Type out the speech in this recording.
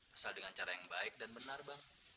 asal dengan cara yang baik dan benar bang